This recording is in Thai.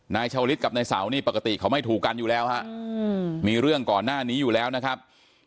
นายชาวลิศกับนายเสานี่ปกติเขาไม่ถูกกันอยู่แล้วฮะมีเรื่องก่อนหน้านี้อยู่แล้วนะครับ